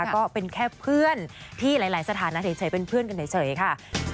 ก็เป็นแค่เพื่อนที่หลายสถานะเฉยเป็นเพื่อนกันเฉยค่ะ